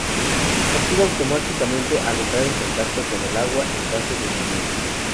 Se activa automáticamente al entrar en contacto con el agua en caso de hundimiento.